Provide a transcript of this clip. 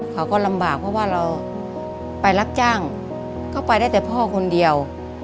เขาก็ลำบากเพราะว่าเราไปรับจ้างก็ไปได้แต่พ่อคนเดียว